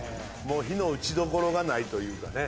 非の打ちどころがないというかね。